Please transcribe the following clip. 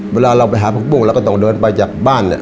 เวลาเราไปหาปะปุ้งเราก็ต้องเดินไปจากบ้าน